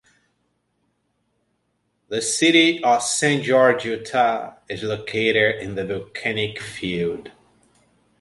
The city of Saint George, Utah is located in the volcanic field.